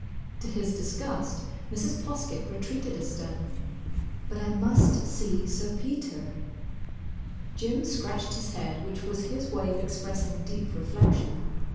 To his disgust, Mrs. Poskett retreated a step. "But I must see Sir Peter." Jim scratched his head—which was his way of expressing deep reflection.